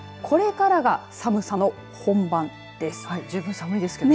これからが寒さの本番です。